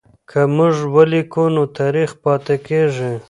که موږ ولیکو نو تاریخ پاتې کېږي.